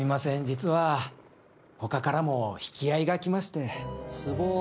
実はほかからも引き合いが来まして。